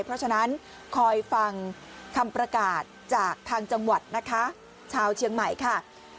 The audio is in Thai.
เพราะฉะนั้นคอยฟังคำประกาศจากทางจังหวัดนะคะชาวเชียงใหม่ค่ะ